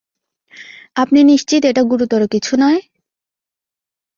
আপনি নিশ্চিত এটা গুরুতর কিছু নয়?